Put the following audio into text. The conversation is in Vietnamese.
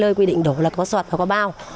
lơi quy định đổ là có soạt và có bao